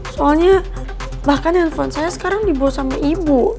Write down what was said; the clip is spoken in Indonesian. soalnya bahkan handphone saya sekarang dibawa sama ibu